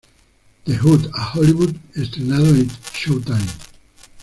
De Hood a Hollywood, estrenado en Showtime.